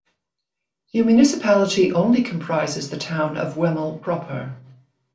The municipality only comprises the town of Wemmel proper.